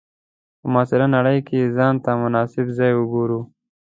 په معاصره نړۍ کې ځان ته مناسب ځای وګورو.